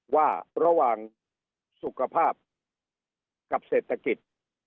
ว่าระหว่างสุขภาพกับเศรษฐกิจ